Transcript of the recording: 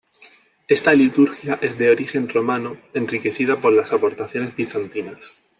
Esta liturgia es de origen romano, enriquecida por las aportaciones bizantinas.